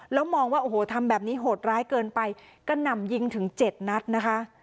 แล้วมองว่าโอ้โหทำแบบนี้โหดร้ายเกินไปกระหน่ำยิงถึงเจ็ดนัดนะคะ